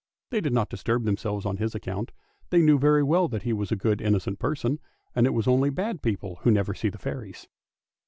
They did not disturb themselves on his account, they knew very well that he was a good innocent person, and it is only bad people who never see the fairies.